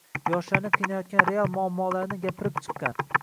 yoshlarni qiynayotgan real muammolarni gapirib chiqqan